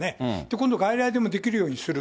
今度、外来でもできるようにする。